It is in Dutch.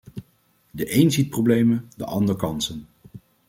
De één ziet problemen, de ander kansen.